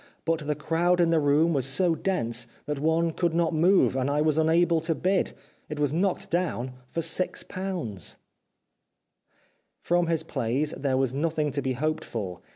But the crowd in the room was so dense that one could not move, and I was unable to bid. It was knocked down for six pounds." 361 The Life of Oscar Wilde From his plays there was nothing to be hoped for.